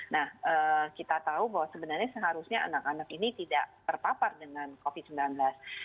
nah kita tahu bahwa sebenarnya seharusnya anak anak ini tidak terpapar dengan covid sembilan belas